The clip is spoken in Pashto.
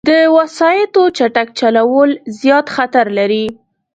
د وسايطو چټک چلول، زیاد خطر لري